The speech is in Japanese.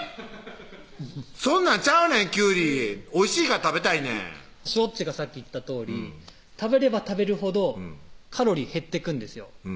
そんなんちゃうねんキュウリおいしいから食べたいねんしほっちがさっき言ったとおり食べれば食べるほどカロリー減ってくんですよ